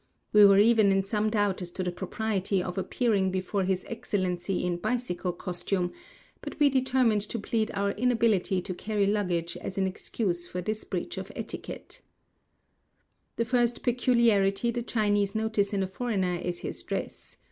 We were even in some doubt as to the propriety of appearing before his excellency in bicycle costume; but we determined to plead our inability to carry luggage as an excuse for this breach of etiquette. SALT HEAPS AT THE GOVERNMENT WORKS AT TONG KU. The first peculiarity the Chinese notice in a foreigner is his dress.